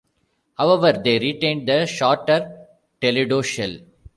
However, they retained the shorter Toledo shell.